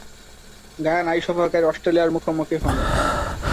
গায়ানায় সফরকারী অস্ট্রেলিয়ার মুখোমুখি হন।